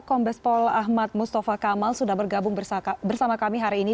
kombespol ahmad mustafa kamal sudah bergabung bersama kami hari ini